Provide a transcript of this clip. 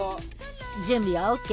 準備はＯＫ？